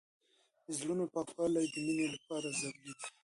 د زړونو پاکوالی د مینې لپاره ضروري دی.